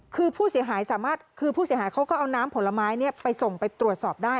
คือผู้เสียหายเขาก็เอาน้ำผลไม้ไปส่งไปตรวจสอบได้